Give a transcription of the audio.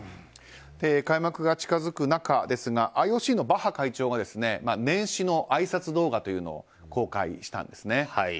開幕が近づく中ですがＩＯＣのバッハ会長が年始のあいさつ動画を公開したんですね。